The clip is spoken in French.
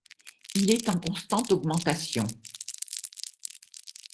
Il est en constante augmentation.